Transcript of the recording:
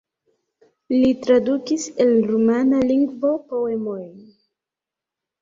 Li tradukis el rumana lingvo poemojn.